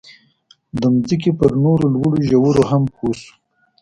د ځمکې په نورو لوړو ژورو هم پوه شو.